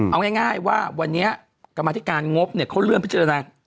เอาง่ายว่าวันนี้กรรมธิการงบเขาเลื่อนพิจารณา